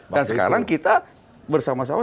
dan sekarang kita bersama sama